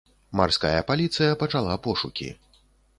Марская паліцыя пачала пошукі.